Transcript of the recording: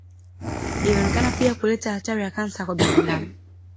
Ilionekana pia kuleta hatari ya kansa kwa binadamu.